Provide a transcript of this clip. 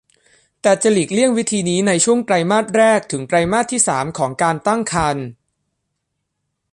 แต่จะหลีกเลี่ยงวิธีนี้ในช่วงไตรมาสแรกถึงไตรมาสที่สามของการตั้งครรภ์